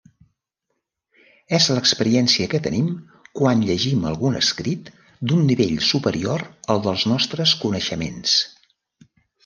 És l'experiència que tenim quan llegim algun escrit d'un nivell superior al dels nostres coneixements.